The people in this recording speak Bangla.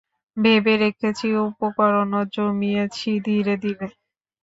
ভেবে রেখেছি, উপকরণও জমিয়েছি ধীরে ধীরে।